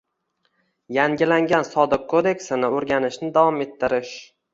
Yangilangan Soliq kodeksini o'rganishni davom ettirish